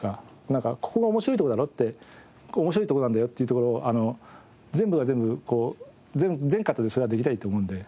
なんかここが面白いとこだろって面白いとこなんだよっていうところを全部が全部こう全カットでそれはできないと思うんで。